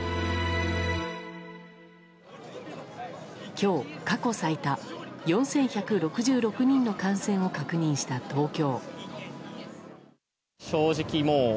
今日、過去最多４１６６人の感染を確認した東京。